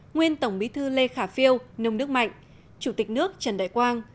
nguyên tổng bí thư lê khả phiêu nông đức mạnh chủ tịch nước trần đại quang